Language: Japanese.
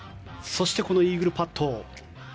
そして、このイーグルパット。